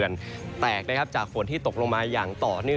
แตกนะครับจากฝนที่ตกลงมาอย่างต่อเนื่อง